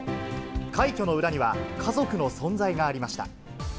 快挙の裏には、家族の存在がありました。